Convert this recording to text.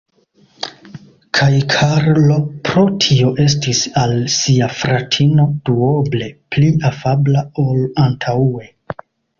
Kaj Karlo pro tio estis al sia fratino duoble pli afabla ol antaŭe.